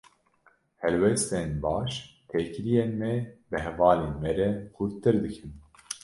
Helwestên baş, têkiliyên me bi hevalên me re xurttir dikin.